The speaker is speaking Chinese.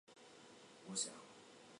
合金钢为复合材料在炼钢的运用。